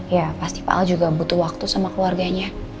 ya pasti pak al juga butuh waktu sama keluarganya